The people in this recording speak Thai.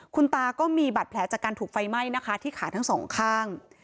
คุณตาก็มีบาดแผลจากการถูกไฟไหม้นะคะที่ขาทั้งสองข้าง